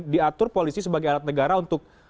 diatur polisi sebagai alat negara untuk